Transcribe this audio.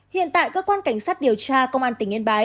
hiện tại cơ quan cảnh sát điều tra công an tỉnh yên bái